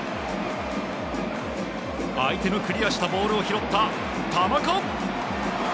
相手のクリアしたボールを拾った田中！